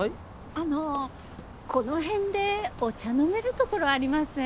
あのこの辺でお茶飲めるところありません？